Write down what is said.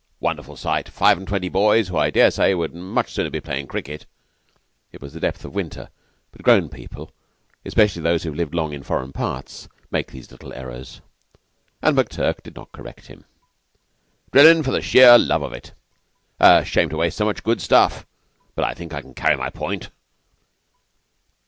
A wonderful sight. Five and twenty boys, who, I dare say, would much sooner be playing cricket" (it was the depth of winter; but grown people, especially those who have lived long in foreign parts, make these little errors, and McTurk did not correct him) "drilling for the sheer love of it. A shame to waste so much good stuff; but I think I can carry my point."